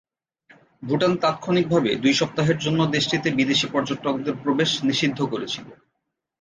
ভুটান তাৎক্ষণিকভাবে দুই সপ্তাহের জন্য দেশটিতে বিদেশী পর্যটকদের প্রবেশ নিষিদ্ধ করেছিল।